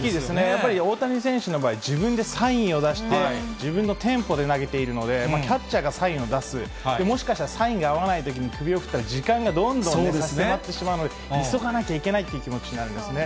やっぱり大谷選手の場合、自分でサインを出して、自分のテンポで投げているので、キャッチャーがサインを出す、もしかしたらサインが合わないときに首を振ったら、時間がどんどん差し迫ってしまうので、急がなきゃいけないと思うんですね。